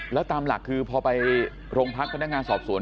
แล้วตามหลักคือพอไปโรงพักพนักงานสอบสวน